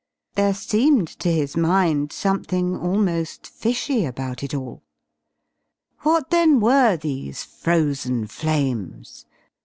There seemed to his mind something almost fishy about it all. What then were these "Frozen Flames"?